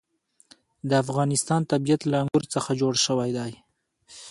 د افغانستان طبیعت له انګور څخه جوړ شوی دی.